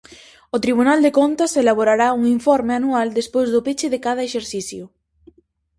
O Tribunal de Contas elaborará un informe anual despois do peche de cada exercicio.